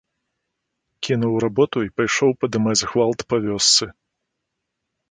Кінуў работу і пайшоў падымаць гвалт па вёсцы.